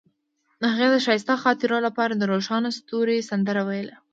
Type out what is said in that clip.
هغې د ښایسته خاطرو لپاره د روښانه ستوري سندره ویله.